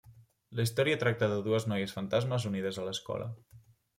La història tracta de dues noies fantasmes unides a l'escola.